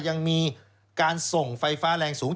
ยังมีการส่งไฟฟ้าแรงสูง